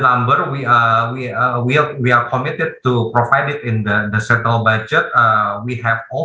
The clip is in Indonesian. jumlahnya kami berpengaruh untuk menyediakannya dalam budget sentral